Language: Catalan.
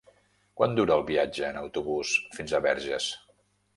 Quant dura el viatge en autobús fins a Verges?